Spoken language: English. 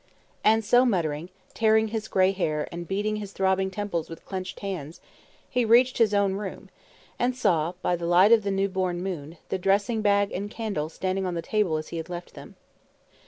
And so muttering, tearing his grey hair, and beating his throbbing temples with clenched hands, he reached his own room, and saw, by the light of the new born moon, the dressing bag and candle standing on the table as he had left them.